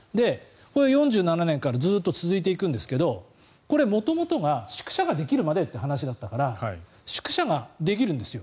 ４７年からずっと続いていくんですがこれ、元々が宿舎ができるまでという話だったから宿舎ができるんですよ。